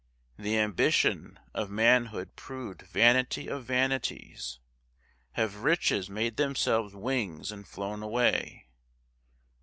—the ambition of manhood proved vanity of vanities? Have riches made themselves wings and flown away?